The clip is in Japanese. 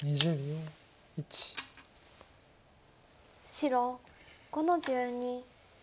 白５の十二。